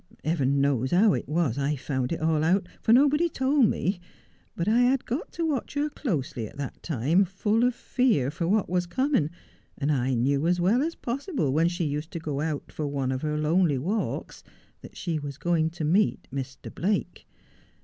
Heaven knows how it was I found it all out, for nobody told me, but I had got to watch her closely at that time, full of fear for what was coming, and I knew as well as possible when she used to go out for one of her lonely walks that she was going to meet Mr. Blake.